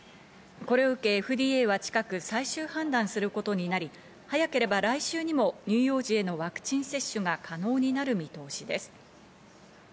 これを受け、ＦＤＡは近く最終判断することになり、早ければ来週にも乳幼児へのワクチン接種が可能になる見通しです。